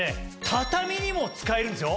畳にも使えるんですよ。